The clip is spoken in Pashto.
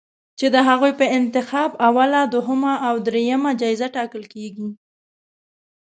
چې د هغوی په انتخاب اوله، دویمه او دریمه جایزه ټاکل کېږي